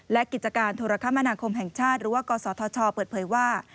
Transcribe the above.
และกิจการโทรคมนาคมแห่งชาติหรือว่ากศธชเปิดเผยว่า